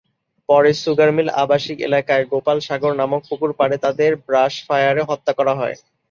পরে সুগারমিল আবাসিক এলাকায় ‘গোপাল সাগর’ নামক পুকুরপাড়ে তাদের ব্রাশফায়ারে হত্যা করা হয়।